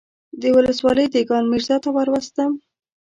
د ولسوالۍ دېګان ميرزا ته وروستم.